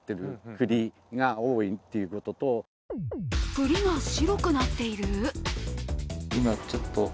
栗が白くなっている？